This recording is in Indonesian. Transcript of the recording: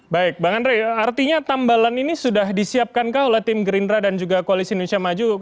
baik bang andre artinya tambalan ini sudah disiapkan kah oleh tim gerindra dan juga koalisi indonesia maju